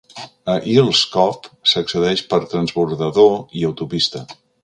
A Earls Cove s'accedeix per transbordador i autopista.